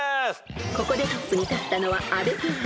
［ここでトップに立ったのは阿部ペア］